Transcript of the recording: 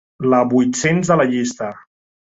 La vuit-cents de la llista.